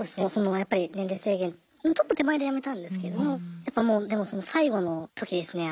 年齢制限のちょっと手前で辞めたんですけれどもやっぱもうでもその最後の時ですね